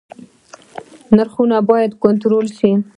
نرخونه باید کنټرول شي